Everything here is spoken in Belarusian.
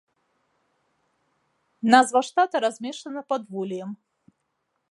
Назва штата размешчана пад вулеем.